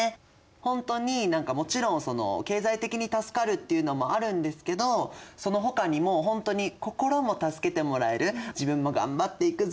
ほんとに何かもちろん経済的に助かるっていうのもあるんですけどそのほかにもほんとに心も助けてもらえる自分も頑張っていくぞ！